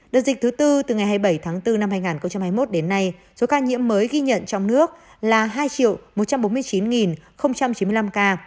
đợt dịch thứ tư từ ngày hai mươi bảy tháng bốn năm hai nghìn hai mươi một đến nay số ca nhiễm mới ghi nhận trong nước là hai một trăm bốn mươi chín chín mươi năm ca